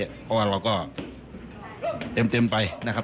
เพราะว่าเราก็เต็มไปนะครับ